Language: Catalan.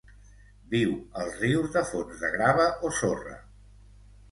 Viu als rius de fons de grava o sorra.